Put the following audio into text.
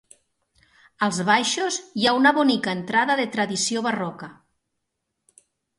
Als baixos hi ha una bonica entrada de tradició barroca.